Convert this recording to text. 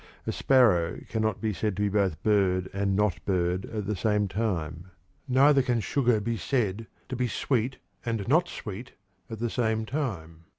A sparrow cannot be said to be both "bird" and "not bird" at the same time. Neither can sugar be said to be "sweet" and "not sweet" at the same time.